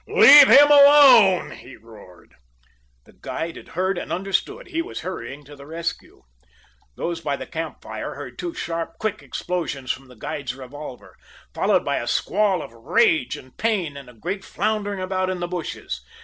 "Leave him alone!" he roared. The guide had heard and understood. He was hurrying to the rescue. Those by the camp fire heard two sharp, quick explosions from the guide's revolver, followed by a squall of rage and pain and a great floundering about in the bushes.